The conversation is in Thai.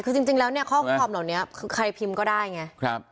คือจริงแล้วเนี่ยข้อความเหล่านี้คือใครพิมพ์ก็ได้ไง